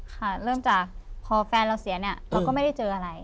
ค่ะเริ่มจากพอแฟนเราเสียเนี่ยเราก็ไม่ได้เจออะไร